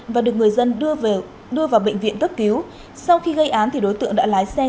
và được người dân đưa vào bệnh viện cấp cứu sau khi gây án thì đối tượng đã lái xe